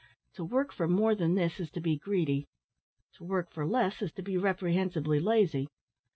To work for more than this is to be greedy; to work for less is to be reprehensibly lazy.